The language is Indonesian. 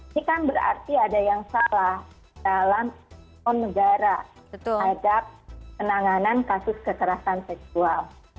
ini kan berarti ada yang salah dalam negara ada penanganan kasus kekerasan seksual